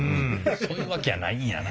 そういうわけやないんやな。